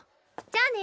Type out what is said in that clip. じゃあね。